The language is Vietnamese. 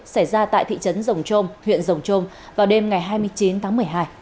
xảy ra tại thị trấn rồng trôm huyện rồng trôm vào đêm ngày hai mươi chín tháng một mươi hai